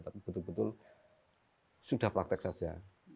tapi betul betul sudah praktek saja